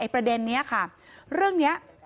ประเด็นนี้ค่ะเรื่องนี้